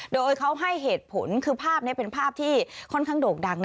โดยเขาให้เหตุผลคือภาพนี้เป็นภาพที่ค่อนข้างโด่งดัง